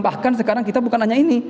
bahkan sekarang kita bukan hanya ini